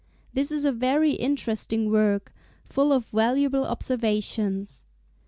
This is a very interesting work, full of valuable observations.